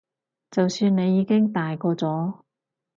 就算你已經大個咗